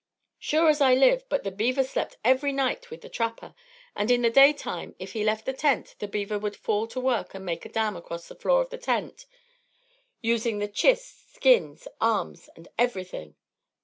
"Sure as I live, but the beaver slept every night with the trapper, and in the day time, if he left the tent, the beaver would fall to work and make a dam across the floor of the tent, using the chist, skins, arms and everything."